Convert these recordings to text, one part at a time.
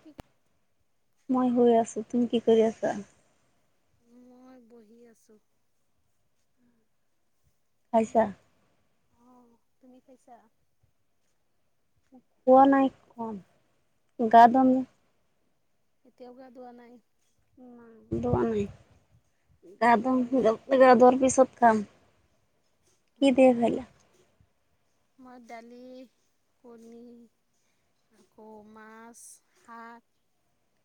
ঠিক মই হৈ আছোঁ তুমি কি কৰি আছা? মই বহি আছোঁ। আছা। অহ তুমি কৈছা? খোৱা নাইখন গা ধম। অঁ এতিয়াও গা ধোৱা নাই? উ দুয়া নাই কিয় ইমান [unintelligible] পিছত কাম, কি দে অঁ ভালা? মই দালি কণী আকৌ মাছ শাক।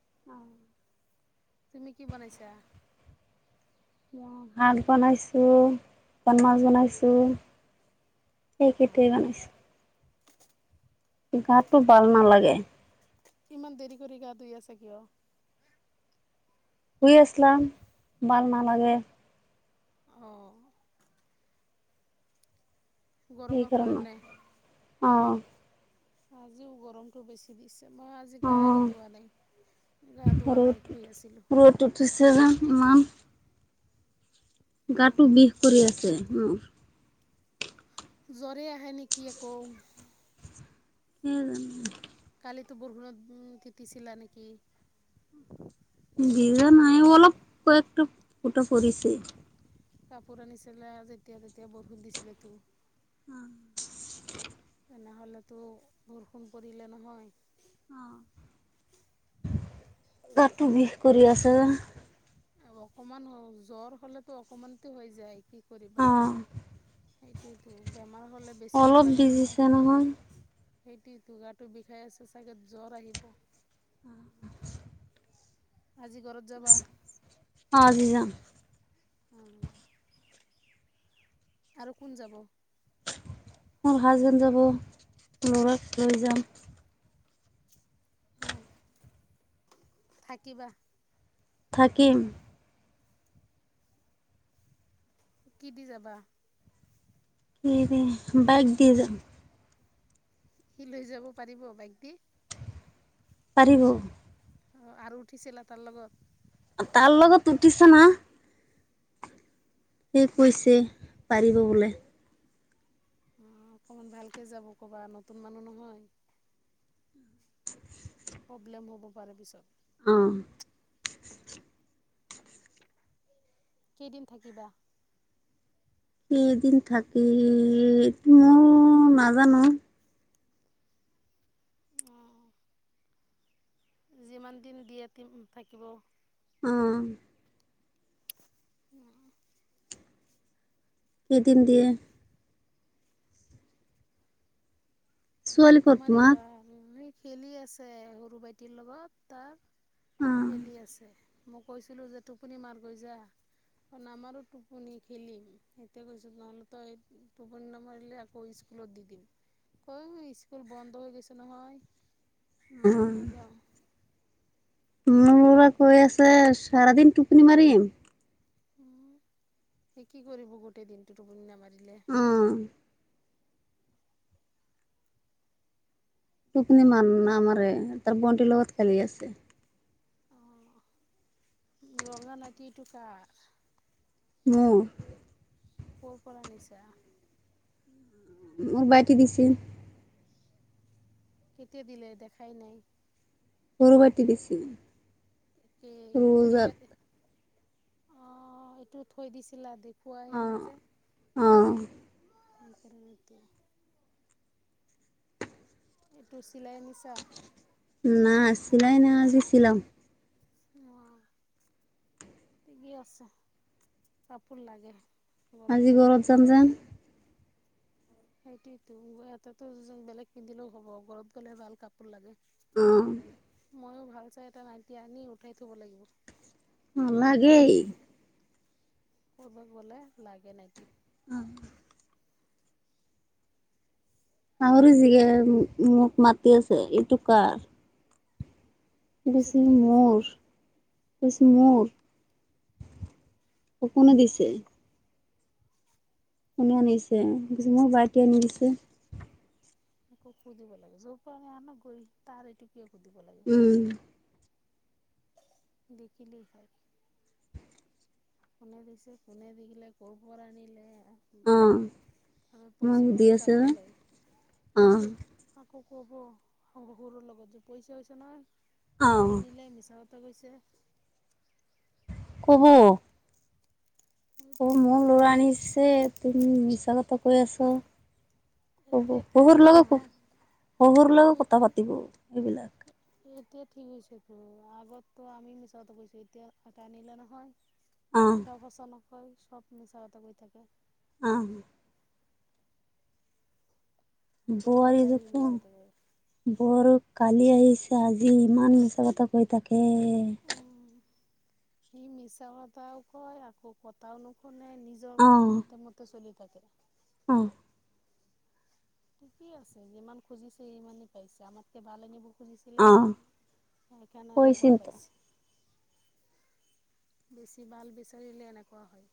অ'। তুমি কি বনাইছা? মই ভাত বনাইছো পান্মাছ বনাইছোঁ। সেইেটোৱেই অঁ বনাইছোঁ। গাটো ভাল নালাগে। ইমান দেৰি কৰি গা ধুই আছে কিয়? শুই আছলাম মাল নালাগে। অ'। গৰমৰ সেইকাৰণে কাৰণে। অ'। আজিও গৰমটো বেছি দিছ মই আজি অ গাই দোৱা নাই, গা ধোৱা ৰ'দ নাই শুই আছিলো। ৰ'দ [unintelligible] অঁ গাটো বিষ কৰি আছে মোৰ। জ্বৰে আহে নেকি আকৌ। উম, কালিতো বৰষুণত তিতিছিলা নেকি? ভিজা নাই অলপ কয় একতা ফুটা পৰিছে। কাপোৰ আনিছিলে যেতিয়া তেতিয়া বৰষুণ দিছিল তো উম, তেনেহ'লেতো বৰষুণ পৰিলে নহয়। অহ, গাটো বিষ কৰি আছে। অকমান হ জ্বৰ হলেতো অকমানতো হৈ যায় কি কৰিবা। অ এইটোৱেটো বেমাৰ হ'লে অলপ ভিজিছে নহয়। সেইটো ত গাটো বিষাই আছে চাগে জ্বৰ আহিব। আজি ঘৰত যাবা। অ, আজি যাম। উম, আৰু কোন যাব। মোৰ হাজবেণ্ড যাব লৰাক লৈ যাম। অ, থাকিবা। থাকিম। কি দি যাবা। কি দি বাইক দি যাম। সি লৈ যাব পাৰিব বাইক দি? পাৰিব। অ, আৰু উঠিছিলা তাৰ লগত। তাৰ লগত উঠিছা না। সেই কৈছে পাৰিব বোলে। অ, অকমান ভালকে যাব ক'বা নতুন মানুহ নহয়। প্ৰব্লেম হ'ব পাৰে পিছত। অ, কেইদিন থাকিবা? কেইদিন থাকি মই নাজানো। অ' যিমান দিন দিয়ে থাকিব। উম, [inaudible] কেইদিন দিয়ে। ছোৱালী ক'ত তোমাৰ ই ভাল খেলি আছে সৰু ভাইটিৰ লগত তাৰ। খেলি অ আছে মই কৈছিলো যে টোপনি মাৰ গৈ যা। নামাৰো টোপনি খেলিম সেইটোয় কৈছো তহলে তো টোপনি নামাৰিলে আকৌ স দি দিম অহ, ইচ স্কুল বন্ধ হৈ গৈছে নহয় অ নাযাও। মোক কৈ আছে চাৰা দিন টোপনি মাৰিম। উম, তে কি কৰিব গোটেই দিনটো টোপনি নামাৰি। উম, টোপনি মান এই নামাৰে তাৰ ভণ্টিৰ লগত খালি আছে। অ, ৰঙা নাইটিটো কাৰ। মোৰ। কৰ পৰা আনিছা। উম, বাইতি দিছিল। কেতিয়া দিলে দেখাই নাই। গৰবতি দিছিল। এ এইবাৰ অ, এইটো থৈ দিছিল আ দে খোৱাইে অ নাই যে অ [unintelligible] এটো চিলাই আনিছা? নাই নাই আজি চিলাম। অ'। ঠিকেই আছে কাপোৰ লাগে। আজি ঘৰত যাম যে। সেইটোতো ইয়াতেতো বেলেগ পিন্ধিলেও হ'ব ঘৰত গ'লে ভাল কাপোৰ লাগে। অ'। ময়ও ভাল চাই এটা নাইটি আনি উঠাই থব লাগিব। উম লাগৈ। কৰবাত গ'লে লাগে নাইতি। অ'। শাহুৰী জিয়ে মোক মাতি আছে এইটো কাৰ। পিছত কি কৈছা [unintelligible] কোনে দিছে? কোনে আনিছে [unintelligible] আনি দিছে একো সুধিব লাগে যৌৰ পৰা আনে আনক গৈ তাৰ এইতো কিয় সুধিব উম লাগে। বিকিলি হয়। কোনে দিছে কোনে দিগেলে কৰ পৰা আনিলে অ আৰু মই পইচা সুধি হলেই আছোঁ ক'ব অ', শহুৰৰ লগত যে পইচা [unintelligible] নায় কাপোৰ অ'। আনিলে মিছা [unintelligible] কোব ও সেইটোৱেতো মোৰ ল'ৰাই আনিছে তুমি মিছা কথা কৈ আছ কব এতিয়া ঠিক শহুৰ হৈছে লগত নহয় শহুৰ সেইটো লগত কথা পাতিব এইবিলাক এতিয়া ঠিক হৈছেতো আগত আমি মিছা কথা কৈছোঁ এতিয়া এটা আনিলে নহয়। অ', এটা সচা নকয় সব মিছা কথা কৈ থাকে। অ'। সকলো বোৱাৰী কথাই সি দেখো মিছা কথা বোৱাৰী কালি আহিছে আজি ইমান মিছা কথা কৈ থাকে ই মিছা কথাও কয়, আকৌ কথাও নকয়। মানে নিজৰ অ', উতম মতে চলি থাকে। অ'। ঠিকেই আছে যিমান খুজিছে সিমানেই পাইছে আমাতকে ভাল আনিব খোজিছিলে যে অ', সেইকাৰণে এনেকুৱা কৈছিল তো। পাইছে। বেছি ভাল বিচাৰিলে এনেকুৱা হয়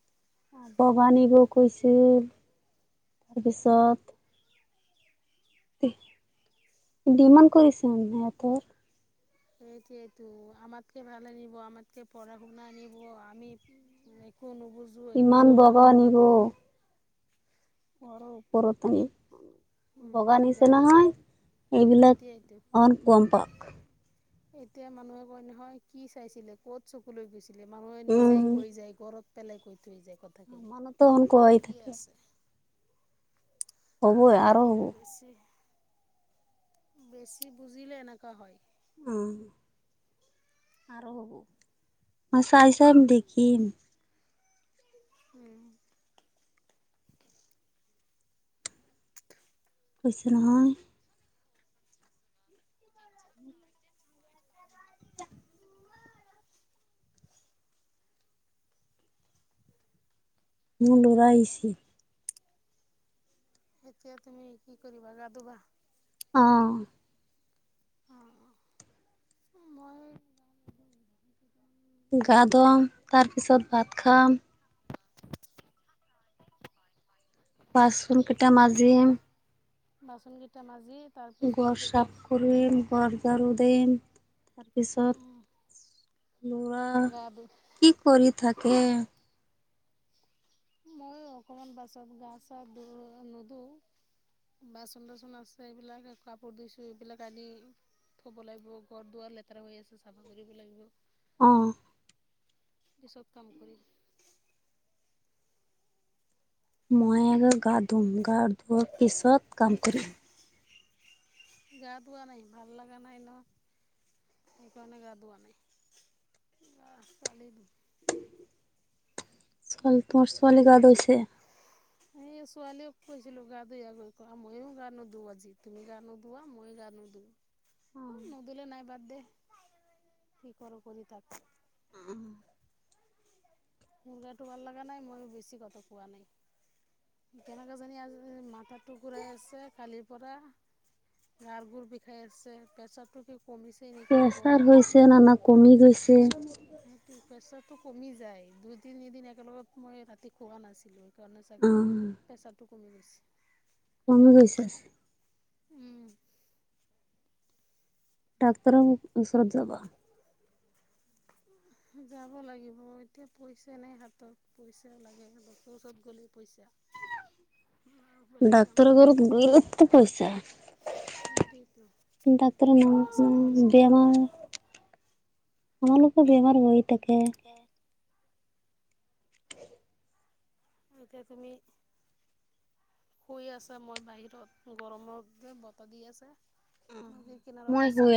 [unintelligible] কৈছিল তাৰপিছত ডিমান কৰিছে [unintelligible] সেইটোয়েটো আমাতকে ভাল আনিব আমাতকে পঢ়া শুনা আনিব আমি [unintelligible] একো ইমান বগা নামানো আনিব পৰ পৰ তানি বগা নিচিনে দেখ নহয় এইবিলাক সেইটোৱেইটো অন গম পাওক এতিয়া মানুহে কয় নহয় কি চাইছিলি কত চকুলৈ গৈছিল ছিলে মানুহে নিজেই কৈ যায় ঘৰত পেলাই কৈ থৈ যায়। অ' কথাখিনি মানুহ টো [unintelligible] কৈ ঠিকেই থাকে। আছে হ'বই আৰু হ'ব। বেছি বেছি বুজিলে এনেকা হয়। উম। আৰু হব [unintelligible] চাম দেখিম। উম। কৈছোঁ নহয়। মোৰ লৰা আহিছি। এতিয়া তুমি কি কৰিবা গা ধুবা। অহ। অঁ মই গা ধুম তাৰপিছত ভাত খাম। বাচন কেইটা মাজিম। বাচন কেইটা মাাজি ঘৰ চাফ কৰিম ঘৰ ঝৰো দিম তাৰপিছত ল'ৰা গা ধু কি কৰি থাকে মইো অকমান বাছত গা চা ধো নুধো বাচন তচন আছে এইবিলাক কাপোৰ ধুইছো এইবিলাক আদি থব লাগিব ঘৰ দুৱাৰ লেতেৰা হৈ আছে চাফা কৰিব লাগিব। অহ। পিছত কাম কৰিম। মায়ে আৰু গা ধুম গাৰ ধোৱা পিছত কাম কৰিম। গা ধোৱা নাই ভাল লগা নাই ন। সেইকাৰণে গা ধোৱা নাই গা চালি ধুই ছোৱালীটো ছোৱালী গা ধুইছে। এই ছোৱালীয়েক কৈছিলো গা ধুই আহ গৈ, মইও গা নুধোৱা আজি তুমি গা নুধো মইও গা নোধো নোধুলে নাই বাদ দে। কি কৰো কৰি থাক। মোৰ গাটো ভাল লগা নাই মইও বেছি কথা কোৱা নাই কেনে কিয় জানো আজি মাথাতো ঘূৰাই আছে খালি পৰা গাৰ বোৰ বিষাই আছে, প্ৰেছাটো কিবা প্ৰেছাৰ হৈছে না কমি গৈছে সেইটো প্ৰেছাৰটো কমি যায় দুই তিনিদিন একেলগত মই ৰাতি খোৱা নাছিলো। খেইটো কাৰনে চাগে প্ৰেচাটো কমি গৈছে। কমি গৈছে। উম। ডক্তৰ ওচৰত যাবা। যাব লাগিব এতিয়া পইচা নাই হাতত, পইচা লাগে ডক্তৰ ওচৰত গ'লেই পইচা। [unintelligible] বেলেগ কাম ডাক্তৰ নাই ঘৰত গলে পইচা। সেইটোৱেইতো ডাক্তৰ পইচা নামত নহ'লে একো কাম বেমাৰ নাই [inaudible] আমালোকো বেমাৰ হৈ থাকে। এতিয়া তুমি শুই আছে মই বাহিৰত গৰমত দি বতাহ দি আছে। নদী মই কিনাৰত আছো। শুই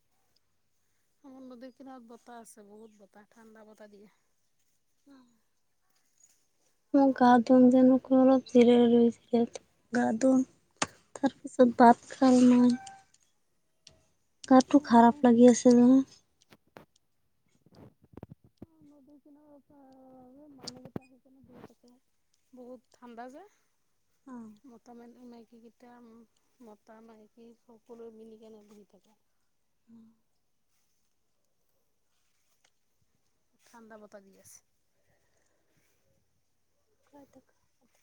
আমাৰ নদীৰ কিনাৰত বতাহ আছে বহুত বতাহ ঠাণ্ডা বতাহ দিয়ে। [unintelligible] মই গা ধুম যেন মোক অলপ জিৰাই লৈছিলোঁ গা ধুম। তাৰপিছত বাত খলি না নাই গাটো সেয়ে খাৰাপ লাগি আছে জনা। মন টো কিবা ভাল বহুত ঠাণ্ডা যে। মতা নাইকী কেইটা মতা নাইকে সকলোৱো মিলিকন ঘূৰি থাকে। [inaudible] ঠাণ্ডা বতাহ দি আছে। [unintelligible]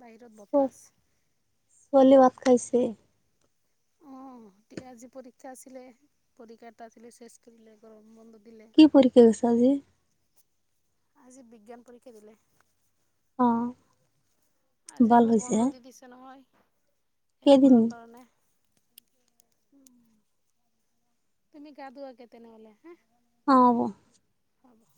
বাহিৰত বতাহ উম, আছে ছোৱালী ভাত খাইছে। অ' আজি পৰীক্ষা আছিলে পৰীক্ষা এটা আছিলে চেছ কৰিলে গৰম বন্ধ দিলে কি পৰীক্ষা হৈছে আজি। আজি বিজ্ঞান পৰীক্ষা দিলে। অ আজি ভাল আকৌ হৈছে বন্ধ দি দিছে নহয়, এক কেইদিন মাহৰ কাৰণে। তুমি গা ধুৱাগে তেনেহ'লে হা। অ'। হ'ব